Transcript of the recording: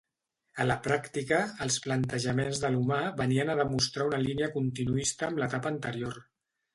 A la pràctica, els plantejaments d'Alomar venien a demostrar una línia continuista amb l'etapa anterior.